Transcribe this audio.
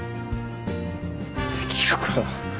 できるかな。